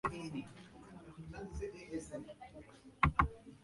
ha nahesakãporãi mba'énepa mama he'iséva oréve.